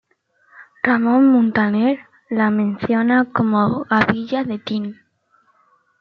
Ramón Muntaner la menciona como gavilla de Tin.